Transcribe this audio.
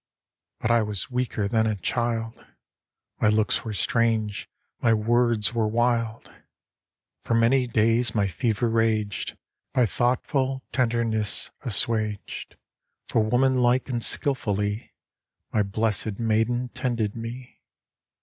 THE WOOD DEMON. 17 But I was weaker than a child ; My looks were strange ; my words were wild ; For many days my fever raged, By thoughtful tenderness assuaged, For woman like and skilfully, My blessed maiden tended me.